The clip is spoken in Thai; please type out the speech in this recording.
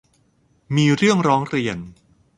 มีเรื่องร้องเรียน